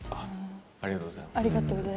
ありがとうございます。